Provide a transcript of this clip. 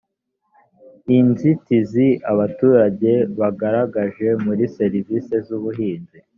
iii inzitizi abaturage bagaragaje muri serivisi z’ubuhinzi